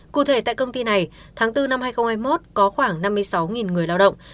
cụ thể tại công ty này tháng bốn năm hai nghìn hai mươi một có khoảng năm mươi sáu người lao động